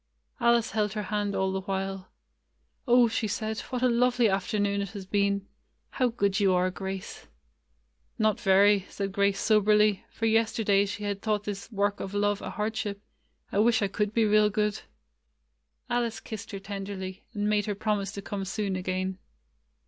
Alice held her hand all the while. "Oh!" she said, "what a lovely afternoon it has been ! How good you are, Grace !" "Not very," said Grace soberly, for yester day she had thought this work of love a hard ship. "I wish I could be real good." Alice kissed her tenderly, and made her promise to come soon again.